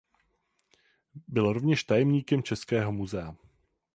Byl rovněž tajemníkem Českého muzea.